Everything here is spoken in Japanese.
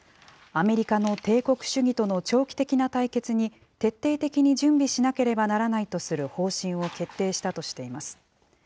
アメリカの帝国主義との長期的な対決に、徹底的に準備しなければならないとする方針を決定したとしています。